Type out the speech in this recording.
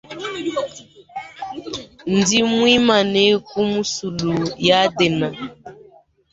Ndi muimane ku musulu yadene.